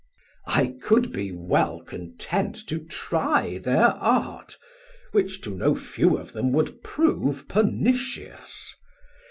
Sam: I could be well content to try thir Art, Which to no few of them would prove pernicious.